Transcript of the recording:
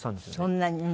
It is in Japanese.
そんなに。